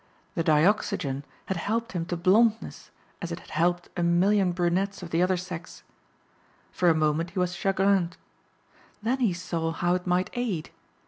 The dioxygen had helped him to blondness as it had helped a million brunettes of the other sex. For a moment he was chagrined. Then he saw how it might aid.